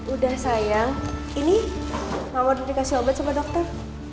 udah sayang ini mama udah dikasih obat sama dokter